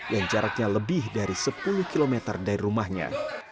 yang jaraknya lebih dari sepuluh km dari rumahnya